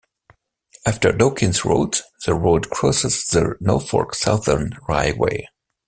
After Dawkins Road the road crosses the Norfolk Southern Railway.